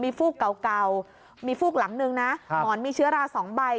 ฟูกเก่ามีฟูกหลังนึงนะหมอนมีเชื้อรา๒ใบ